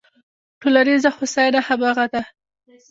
ټولنیزه هوساینه همغه ده.